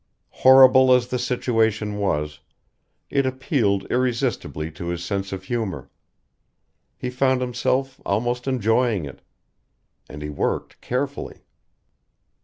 Horrible as the situation was, it appealed irresistibly to his sense of humor. He found himself almost enjoying it. And he worked carefully.